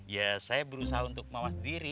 ya saya berusaha untuk mawas diri